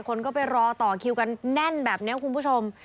คนก็ไปรอต่อคิวกันแน่นแบบนี้คุณผู้ชม